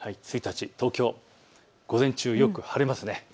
東京、午前中よく晴れます。